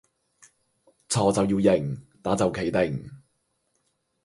錯就要認，打就企定